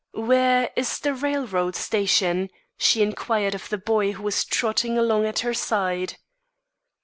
"Where is the railroad station?" she inquired of the boy who was trotting along at her side.